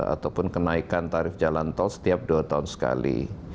ataupun kenaikan tarif jalan tol setiap dua tahun sekali